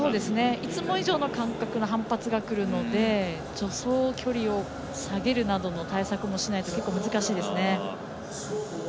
いつも以上の反発が来るので助走距離を下げるなどの対策もしないと結構難しいですね。